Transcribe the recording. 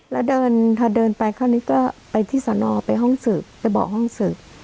แล้วเดินพอเดินไปคราวนี้ก็ไปที่สนไปห้องสืบไปบอกห้องสืบ